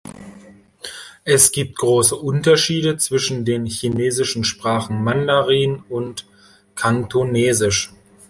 Es gibt große Unterschiede zwischen den chinesischen Sprachen Mandarin und Kantonesisch.